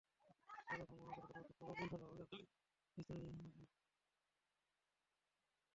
র্যাবের ভ্রাম্যমাণ আদালত গতকাল শুক্রবার গুলশানে অভিযান চালিয়ে ছয়টি রেস্তোরাঁকে জরিমানা করেছেন।